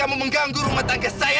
kamu mengganggu rumah tangga saya